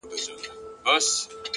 صبر د لوړو موخو تکیه ده!.